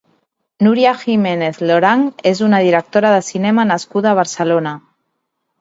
Nuria Giménez Lorang és una directora de cinema nascuda a Barcelona.